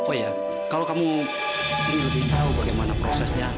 oh iya kalau kamu ingin lebih tahu bagaimana prosesnya